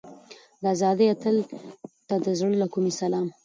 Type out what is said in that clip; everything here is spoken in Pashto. د ازادۍ اتل ته د زړه له کومې سلام.